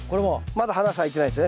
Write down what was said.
まだ花咲いてないですね